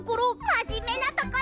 まじめなところ！